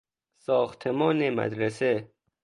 ساختمان مدرسه